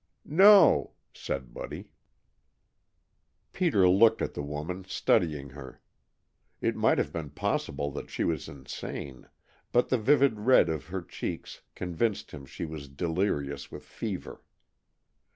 "No," said Buddy. Peter looked at the woman, studying her. It might have been possible that she was insane, but the vivid red of her cheeks convinced him she was delirious with fever.